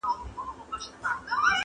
پښتنو ته هم راغلی جادوګر وو٫